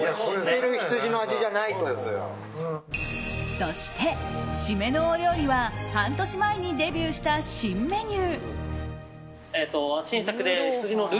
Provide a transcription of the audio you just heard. そして、シメのお料理は半年前にデビューした新メニュー。